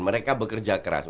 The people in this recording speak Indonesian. mereka bekerja keras